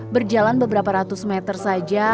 berjalan beberapa ratus meter saja